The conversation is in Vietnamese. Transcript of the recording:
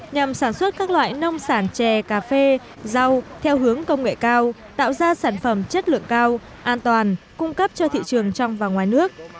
nhằm sản xuất các loại nông sản chè cà phê rau theo hướng công nghệ cao tạo ra sản phẩm chất lượng cao an toàn cung cấp cho thị trường trong và ngoài nước